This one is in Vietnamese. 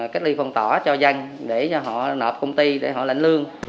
cách ly phòng tỏa cho danh để cho họ nộp công ty để họ lãnh lương